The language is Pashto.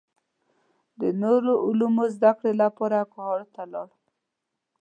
د نورو علومو زده کړې لپاره کوهاټ ته لاړ.